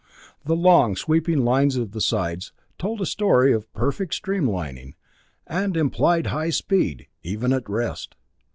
The long sweeping lines of the sides told a story of perfect streamlining, and implied high speed, even at rest.